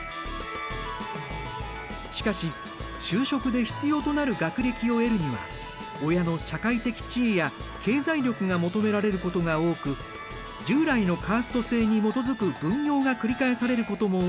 しかし就職で必要となる学歴を得るには親の社会的地位や経済力が求められることが多く従来のカースト制に基づく分業が繰り返されることも多いんだ。